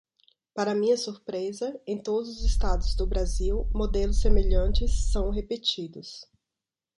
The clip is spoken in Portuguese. Para minha surpresa, em todos os estados do Brasil, modelos semelhantes são repetidos.